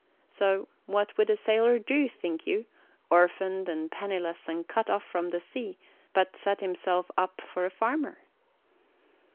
So what would a sailor do, think you, orphaned and penniless and cut off from the sea, but set himself up for a farmer?